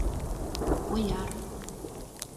Ояр.